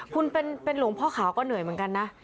คุณเป็นหลวงพ่อขาวก็เหนื่อยเหมือนกันนะ